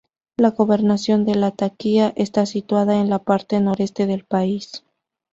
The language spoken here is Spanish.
La gobernación de Latakia está situada en la parte noroeste del país.